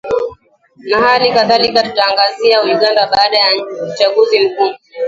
na hali kadhalika tutaangazia uganda baada ya uchaguzi mkuu